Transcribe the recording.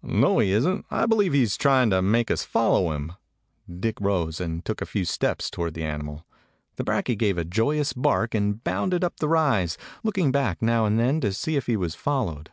"No, he is n't. I believe he 's trying to make us follow him." Dick rose and took a few steps toward the animal. The brakje gave a joyous bark and bounded up the rise, looking back now and then to see if he was followed.